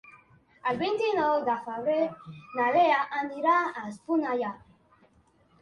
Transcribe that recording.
El vint-i-nou de febrer na Lea anirà a Esponellà.